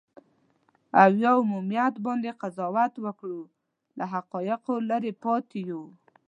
او یا عمومیت باندې قضاوت وکړو، له حقایقو لرې پاتې یو.